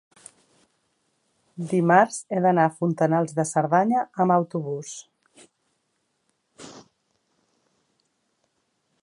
dimarts he d'anar a Fontanals de Cerdanya amb autobús.